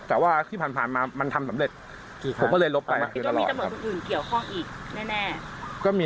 ตอนนี้พี่ผมตามมาหลักฐานนั้นมี๓คนที่รับเงิน